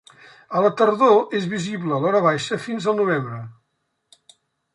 A la tardor és visible a l'horabaixa fins al novembre.